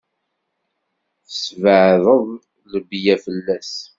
Tesbeɛdeḍ lebla fell-as.